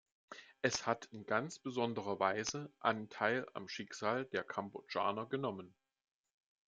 Es hat in ganz besonderer Weise Anteil am Schicksal der Kambodschaner genommen.